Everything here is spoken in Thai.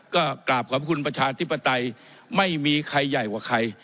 ก็กราบขอบคุณประชาธิปไตยไม่มีใครใหญ่กว่าใคร